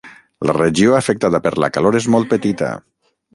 La regió afectada per la calor és molt petita.